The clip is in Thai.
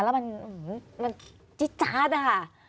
แล้วมันจิ๊ดจัดค่ะ